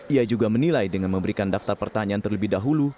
ia juga menilai dengan memberikan daftar pertanyaan terlebih dahulu